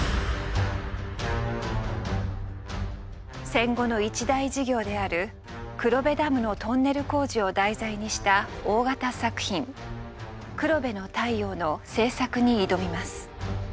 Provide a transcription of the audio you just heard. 戦後の一大事業である黒部ダムのトンネル工事を題材にした大型作品「黒部の太陽」の製作に挑みます。